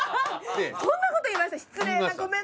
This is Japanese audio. そんなこと言いました？